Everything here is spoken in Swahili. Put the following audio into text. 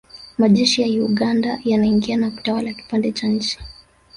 Majeshi ya Uganda yanaingia na kutawala kipande cha nchi